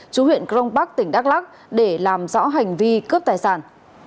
chú huyện crong bắc tỉnh đắk lắc để làm rõ hành vi cướp tài sản